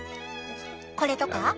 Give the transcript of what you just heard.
これとか？